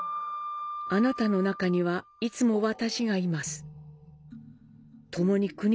「あなたの中にはいつも私がいます。